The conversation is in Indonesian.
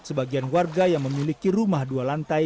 sebagian warga yang memiliki rumah dua lantai